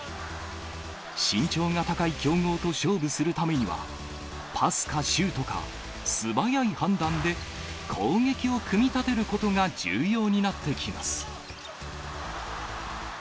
身長が高い強豪と勝負するためには、パスかシュートか、素早い判断で攻撃を組み立てることが重要になってきます。